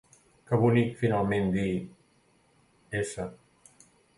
Que bonic finalment dir: s